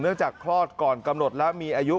เนื่องจากคลอดก่อนกำหนดแล้วมีอายุ